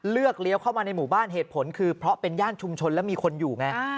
เลี้ยวเข้ามาในหมู่บ้านเหตุผลคือเพราะเป็นย่านชุมชนแล้วมีคนอยู่ไง